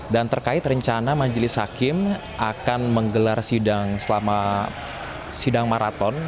dan terkait rencana majelis hakim akan menggelar sidang selama sidang maraton